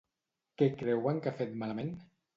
Què creuen que ha fet malament?